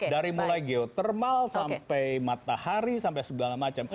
dari mulai geotermal sampai matahari sampai segala macam